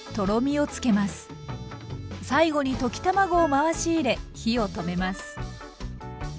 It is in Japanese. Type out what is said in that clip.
最後に溶き卵を回し入れ火を止めます。